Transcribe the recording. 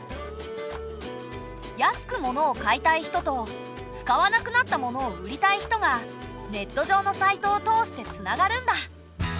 安く物を買いたい人と使わなくなった物を売りたい人がネット上のサイトを通してつながるんだ。